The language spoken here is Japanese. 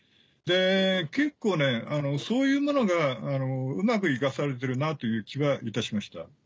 で結構そういうものがうまく生かされてるなという気はいたしました。